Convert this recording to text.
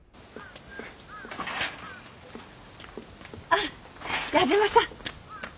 あっ矢島さん。